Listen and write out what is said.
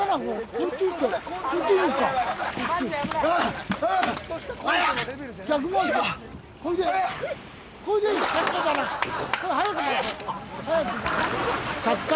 こっちいくか。